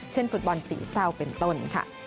เช่นฟุตบอลสีเศร้าเป็นต้น